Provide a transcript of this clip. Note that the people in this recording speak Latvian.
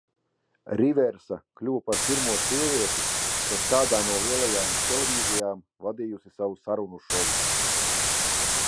Riversa kļuva par pirmo sievieti, kas kādā no lielajām televīzijām vadījusi savu sarunu šovu.